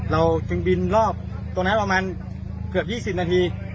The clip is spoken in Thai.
เราถึงบินรอบประมาณเกือบ๒๐นาที